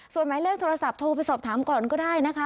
ส่วนหมายเลขโทรศัพท์โทรไปสอบถามก่อนก็ได้นะคะ